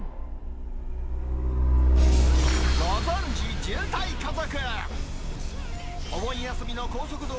ご存じ渋滞家族。